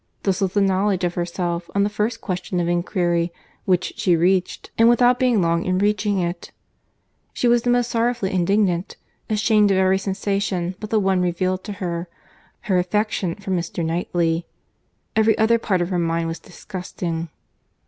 This was the knowledge of herself, on the first question of inquiry, which she reached; and without being long in reaching it.—She was most sorrowfully indignant; ashamed of every sensation but the one revealed to her—her affection for Mr. Knightley.—Every other part of her mind was disgusting.